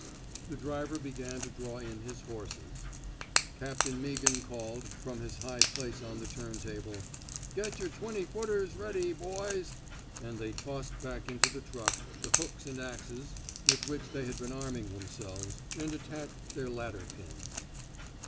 The driver began to draw in his horses. Captain Meaghan called, from his high place on the " turn table ":'* Get your twenty footers ready, boys!" And they tossed 100 PRIVATE MORPHY'S ROMANCE back into the truck the hooks and axes with which they had been arming themselves, and attacked their ladder pins.